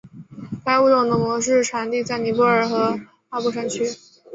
该物种的模式产地在尼泊尔和阿波山区。